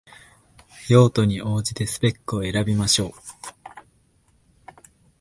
用途に応じてスペックを選びましょう